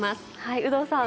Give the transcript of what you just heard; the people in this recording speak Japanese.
有働さん。